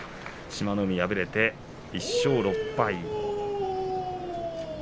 志摩ノ海、敗れて１勝６敗。